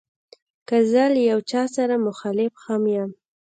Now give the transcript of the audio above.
که زه له یو چا سره مخالف هم یم.